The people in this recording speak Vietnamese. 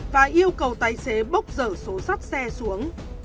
và yêu cầu tài xế bốc dở số sắt xe xuống